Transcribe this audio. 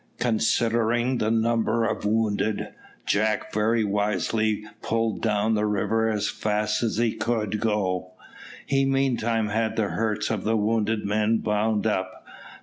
Considering the number of wounded, Jack very wisely pulled down the river as fast as he could go. He meantime had the hurts of the wounded men bound up.